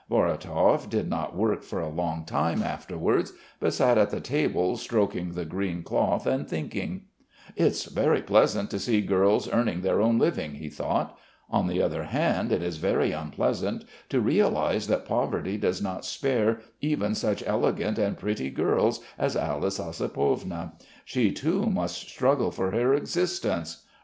Vorotov did not work for a long time afterwards but sat at the table stroking the green cloth and thinking. "It's very pleasant to see girls earning their own living," he thought. "On the other hand it is very unpleasant to realise that poverty does not spare even such elegant and pretty girls as Alice Ossipovna; she, too, must struggle for her existence.